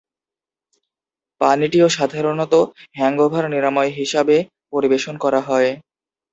পানীয়টি সাধারণত হ্যাংওভার নিরাময় হিসাবে পরিবেশন করা হয়।